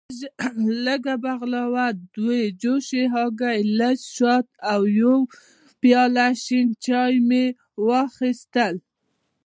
لږه بغلاوه، دوه جوشې هګۍ، لږ شات او یو پیاله شین چای مې واخیستل.